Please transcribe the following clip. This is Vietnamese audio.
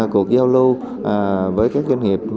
cuộc giao lưu với các doanh nghiệp